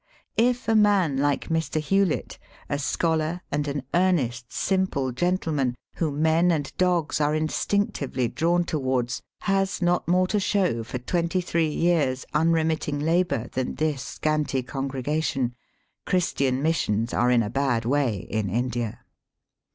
If a man like Mr. Hewlett, a scholar and an earnest, simple, gentleman, whom men and dogs are instinctively drawn towards, has not more to show for twenty three years unre ^ mitting labour than this scanty congregation. Christian missions are in a bad way in India.